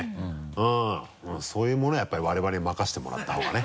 うんそういうものはやっぱり我々に任せてもらった方がね。